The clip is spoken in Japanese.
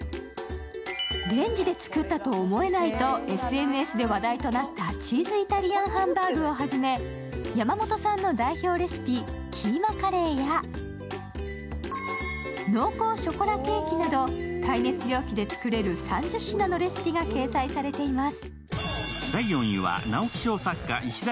レンジで作ったとは思えないとＳＮＳで話題となったチーズイタリアンハンバーグをはじめ、山本さんの代表レシピ・キーマカレーや濃厚ショコラケーキなど耐熱容器で作れる３０品のレシピが掲載されています。